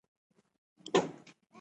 د اعلامیې متن ترتیب شوی وو.